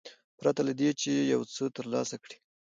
پرته له دې چې یو څه ترلاسه کړي.